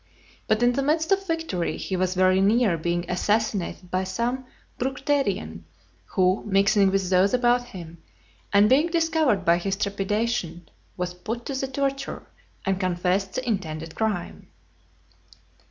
But, in the midst of victory, he was very near being assassinated by some Bructerian, who mixing with those about him, and being discovered by his trepidation, was put to the torture, and confessed his intended crime.